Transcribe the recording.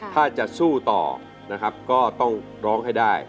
ถ้าจะสู้ต่อนะครับก็ต้องร้องให้ได้